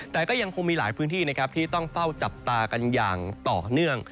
แต่ก็ยังคงมีหลายพื้นที่นะครับที่ต้องเฝ้าจับตากันอย่างต่อเนื่อง